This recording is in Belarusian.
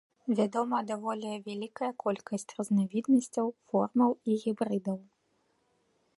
Вядома даволі вялікая колькасць разнавіднасцяў, формаў і гібрыдаў.